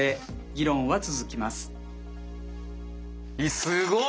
すごい！